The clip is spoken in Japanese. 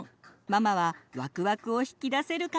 ママはわくわくを引き出せるかな？